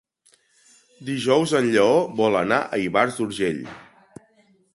Dijous en Lleó vol anar a Ivars d'Urgell.